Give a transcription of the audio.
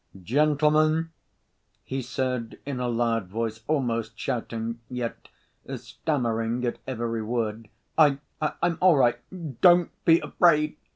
"Gentlemen," he said in a loud voice, almost shouting, yet stammering at every word, "I ... I'm all right! Don't be afraid!"